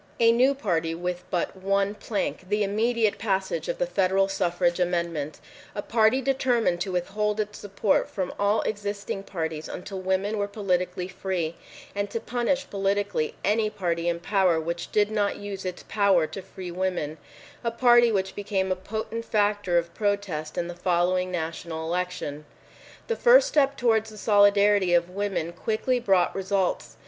A new party with but one plank—the immediate passage of the federal suffrage amendment—a party determined to withhold its support from all existing parties until women were politically free, and to punish politically any party in power which did not use its power to free women; a party which became a potent factor of protest in the following national election. This first step towards the solidarity of women quickly brought results.